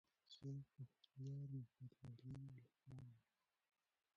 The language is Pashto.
زۀ پوهنيار محمدولي الهام يم.